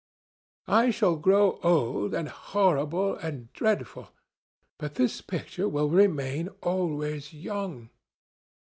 I shall grow old, and horrible, and dreadful. But this picture will remain always young.